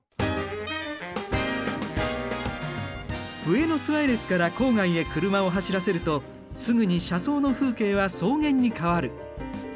ブエノスアイレスから郊外へ車を走らせるとすぐに車窓の風景は草原に変わる。